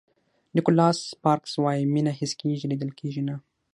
نیکولاس سپارکز وایي مینه حس کېږي لیدل کېږي نه.